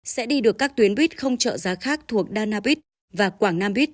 sẽ đi được các tuyến buýt không trợ giá khác thuộc đa nam bít và quảng nam bít